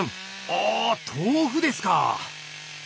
あ豆腐ですか！